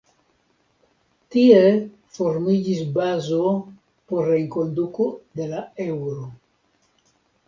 Tie formiĝis bazo por la enkonduko de la Eŭro.